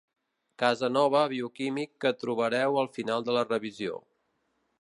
Casanova bioquímic que trobareu al final de la revisió.